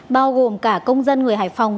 bao gồm cả công dân người hải phòng